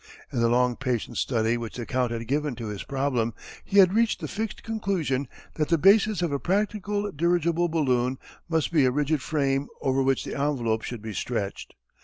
In the long patient study which the Count had given to his problem he had reached the fixed conclusion that the basis of a practical dirigible balloon must be a rigid frame over which the envelope should be stretched.